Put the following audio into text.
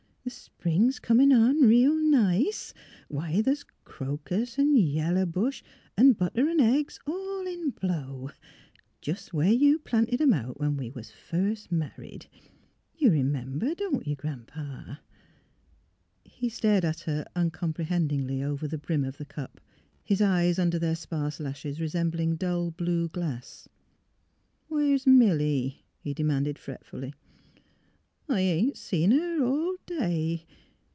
The spring 's comin' on reel nice; why, th's crocus 'n' yellow bush 'n' butter 'n ' eggs, all in blow, — jes' where you planted 'em out when we was first married. You r 'member, don't you, Gran 'pa? " He stared at her uncomprehendingly over the brim of the cup, his eyes under their sparse lashes resembling dull blue glass. " Where's Milly? " he demanded, fretfully. ^' I ain't seen her all day.